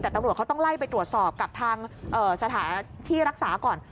แต่ตำรวจเขาต้องไล่ไปตรวจสอบกับทางสถานที่รักษาก่อน